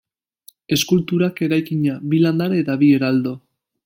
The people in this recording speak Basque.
Eskulturak eraikina, bi landare eta bi heraldo.